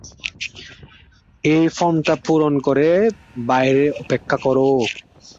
এই ফর্মটা পূরণ করে বাইরে অপেক্ষা করো।